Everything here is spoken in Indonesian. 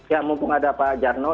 ya mumpung ada pak jarno